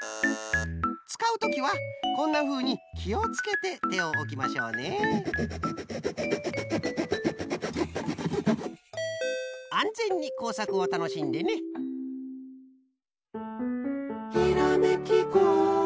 つかうときはこんなふうにきをつけててをおきましょうねあんぜんにこうさくをたのしんでねピンポンパンポン。